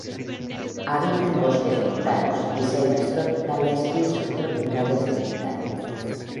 Habita en bosques montanos y selvas tropicales y subtropicales de montaña.